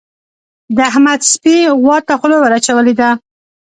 د احمد سپي غوا ته خوله ور اچولې ده.